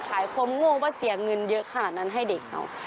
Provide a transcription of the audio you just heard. ความง่ว่าเสียเงินเยอะขนาดนั้นให้เด็กเอา